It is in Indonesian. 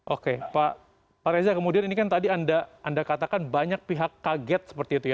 oke pak reza kemudian ini kan tadi anda katakan banyak pihak kaget seperti itu ya